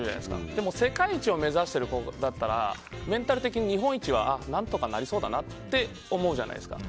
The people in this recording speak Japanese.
でも世界一を目指している子だったらメンタル的に日本一は何とかなりそうだなって思うじゃないですか。